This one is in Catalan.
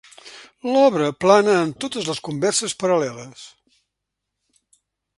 L'obra plana en totes les converses paral·leles.